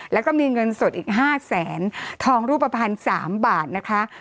แล้วก็มีเงินสดอีก๕แสนทองรูปภัณฑ์๓บาทนะคะ